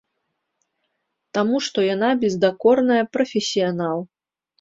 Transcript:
Таму што яна бездакорная прафесіянал.